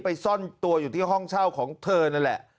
ซ่อนตัวอยู่ที่ห้องเช่าของเธอนั่นแหละ